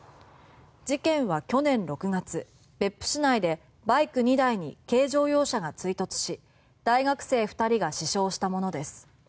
事件は去年６月別府市内でバイク２台に軽乗用車が追突し大学生２人が死傷したものです。